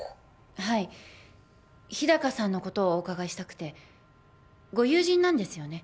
はい日高さんのことをお伺いしたくてご友人なんですよね？